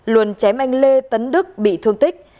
luân chém anh lê tấn đức bị thương tích